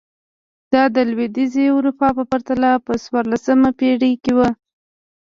دا د لوېدیځې اروپا په پرتله په څوارلسمه پېړۍ کې و.